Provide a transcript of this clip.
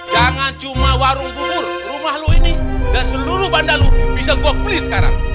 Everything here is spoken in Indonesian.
jangan cuma warung bubur rumah lo ini dan seluruh bandalu bisa gua beli sekarang